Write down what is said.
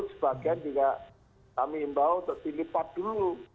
sebagian juga kami imbau untuk dilipat dulu